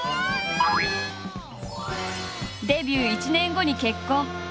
デビュー１年後に結婚。